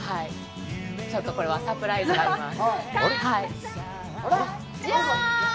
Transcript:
ちょっとこれはサプライズがあります。